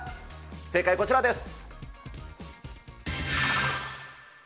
正解、こちらです。